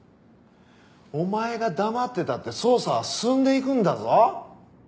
お前が黙ってたって捜査は進んでいくんだぞ。